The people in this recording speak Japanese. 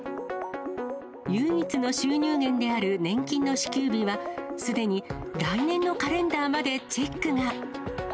唯一の収入源である年金の支給日は、すでに来年のカレンダーまでチェックが。